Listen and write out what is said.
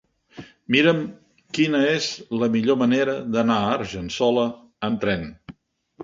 Mira'm quina és la millor manera d'anar a Argençola amb tren.